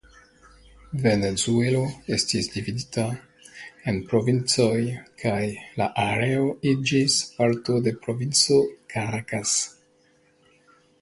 Venezuelo estis dividita en provincojn kaj la areo iĝis parto de provinco Karakas.